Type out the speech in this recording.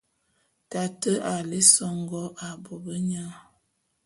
Tate a lé songó ā bobenyang.